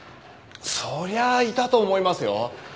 そりゃあいたと思いますよ。